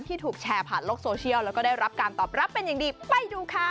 ถูกแชร์ผ่านโลกโซเชียลแล้วก็ได้รับการตอบรับเป็นอย่างดีไปดูค่ะ